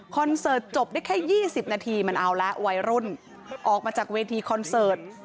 เสิร์ตจบได้แค่๒๐นาทีมันเอาละวัยรุ่นออกมาจากเวทีคอนเสิร์ต